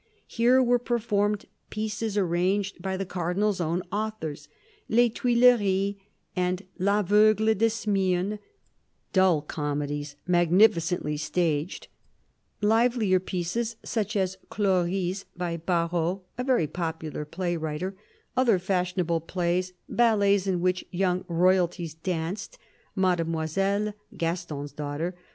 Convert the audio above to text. Here were performed pieces arranged by the Cardinal's own authors : Les Tuileries and LAveugle de Smyrne, dull comedies magnificently staged ; livelier pieces such as Clonse, by Baro, a very popular play writer ; other fashionable plays ; ballets in which young Royalties danced — Mademoiselle, Gaston's daughter.